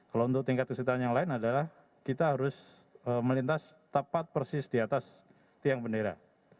kalau untuk tingkat kesulitan yang lain adalah kita harus melintas tepat persis di atas tiang bendera